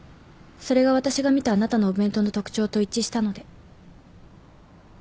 それが私が見たあなたのお弁当の特徴と一致したので。